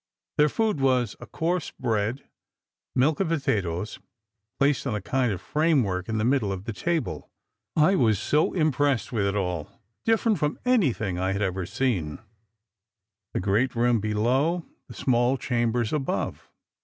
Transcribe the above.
Their food was a coarse bread, milk and potatoes, placed on a kind of framework in the middle of the table. I was so impressed with it all—different from anything I had ever seen:—the great room below, the small chambers above.